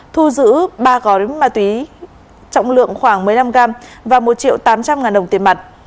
thu giữ ba gói ma túy trọng lượng khoảng một mươi năm gram và một triệu tám trăm linh ngàn đồng tiền mặt